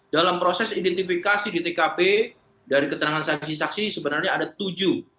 dalam proses identifikasi di tkp dari keterangan saksi saksi sebenarnya ada tujuh